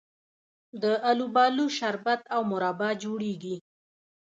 د الوبالو شربت او مربا جوړیږي.